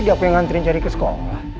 tadi aku yang ngantriin cari ke sekolah